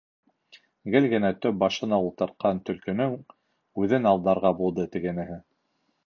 Гел генә төп башына ултыртҡан Төлкөнөң үҙен алдарға булды тегенеһе.